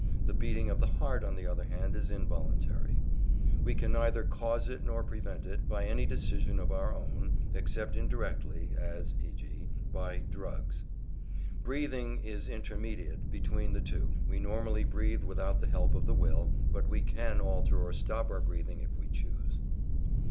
The beating of the heart, on the other hand, is involuntary: we can neither cause it nor prevent it by any decision of our own, except indirectly, as e.g. by drugs. Breathing is intermediate between the two: we normally breathe without the help of the will, but we can alter or stop our breathing if we choose.